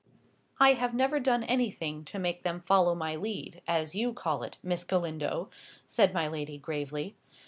"I have never done anything to make them follow my lead, as you call it, Miss Galindo," said my lady, gravely.